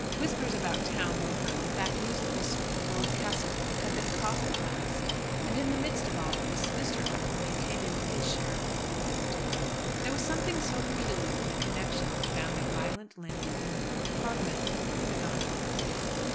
Whispers about town were heard that that musical swell, Lord Castlewell, had been caught at last. And in the midst of all this, Mr. O'Mahony came in for his share of popularity. There was something so peculiar in the connection which bound a violent Landleaguing Member of Parliament with the prima donna of the day.